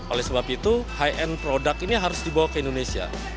oleh sebab itu high end product ini harus dibawa ke indonesia